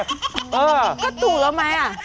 ก็ถูกแล้วไหมอะ